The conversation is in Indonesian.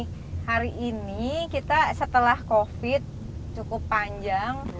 hari ini kita setelah covid cukup panjang